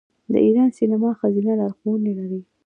د ایران سینما ښځینه لارښودانې لري.